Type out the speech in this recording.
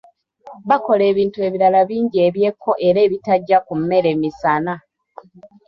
Bakola ebintu ebirala bingi eby'ekko era ebitajja ku mmere misana.